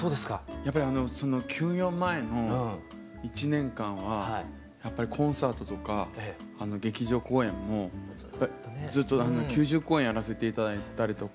やっぱり休養前の１年間はやっぱりコンサートとか劇場公演もずっと９０公演やらせて頂いたりとか。